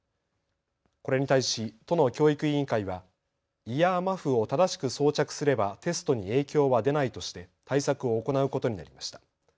これに対し都の教育委員会はイヤーマフを正しく装着すればテストに影響は出ないとして対策を行うことになりました。